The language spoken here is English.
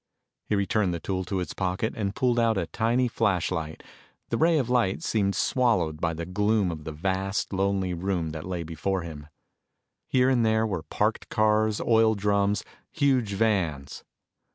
He returned the tool to its pocket and pulled out a tiny flashlight. The ray of light seemed swallowed by the gloom of the vast, lonely room that lay before him. Here and there were parked cars, oil drums, huge vans.